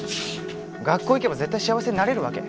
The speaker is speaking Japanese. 学校行けば絶対幸せになれるわけ？